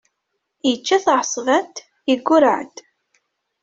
Yečča taεeṣbant, yeggurreε-d.